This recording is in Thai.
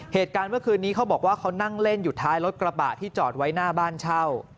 เหตุการณ์เมื่อคืนนี้เขาบอกว่าเขานั่งเล่นอยู่ท้ายรถกระบะที่จอดไว้หน้าบ้านเช่า